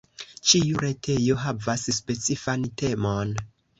Ĉiu retejo havas specifan temon.